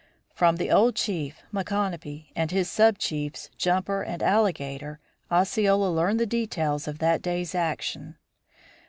From the old chief, Micanopy, and his sub chiefs, Jumper and Alligator, Osceola learned the details of that day's action.